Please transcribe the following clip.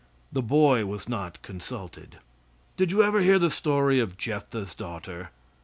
The boy was not consulted. Did you ever hear the story of Jephthah's daughter?